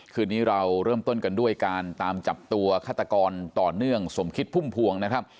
คืนนี้เราเริ่มต้นกันด้วยการตามจับตัวฆาตกรต่อเนื่องสมคิดพุ่มพวงนะครับ